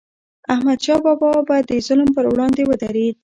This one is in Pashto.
احمدشاه بابا به د ظلم پر وړاندې ودرید.